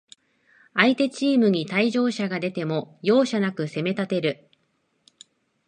相手チームに退場者が出ても、容赦なく攻めたてる